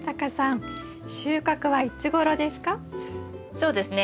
そうですね